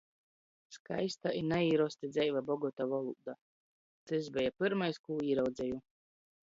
Skaista i naīrosti dzeiva, bogota volūda - tys beja pyrmais, kū īraudzeju.